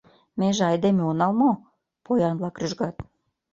Меже айдеме онал мо? — поян-влак рӱжгат.